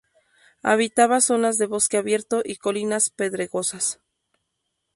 Habitaba zonas de bosque abierto y colinas pedregosas.